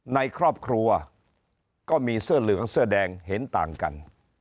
ในครอบครัวก็มีเสื้อเหลืองเสื้อแดงเห็นต่างกัน